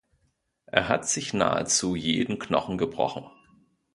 Er hat sich nahezu jeden Knochen gebrochen.